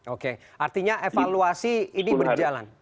oke artinya evaluasi ini berjalan